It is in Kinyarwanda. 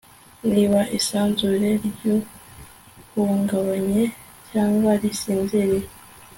Niba isanzure ryahungabanye cyangwa risinziriye